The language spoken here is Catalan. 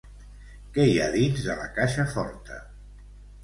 Què hi ha dins de la caixa forta?